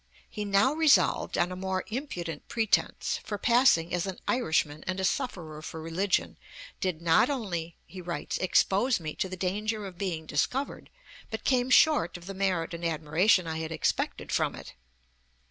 He now resolved on a more impudent pretence; for 'passing as an Irishman and a sufferer for religion, did not only,' he writes, 'expose me to the danger of being discovered, but came short of the merit and admiration I had expected from it' (p.